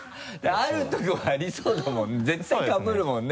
あるとこありそうだもんね絶対かぶるもんね。